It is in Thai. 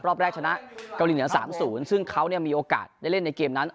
รอบแรกชนะเกาหลีเหนือ๓๐ซึ่งเขามีโอกาสได้เล่นในเกมนั้น